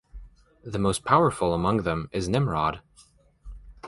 The most powerful among them is Nimrod.